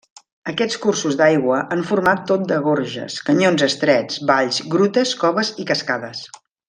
Aquests cursos d'aigua han format tot de gorges, canyons estrets, valls, grutes, coves i cascades.